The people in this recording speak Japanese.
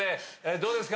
どうですか？